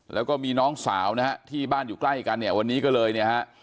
แล้วก็มีน้องสาวนะฮะที่บ้านอยู่ใกล้กันเนี่ยวันนี้ก็เลยเนี่ยฮะ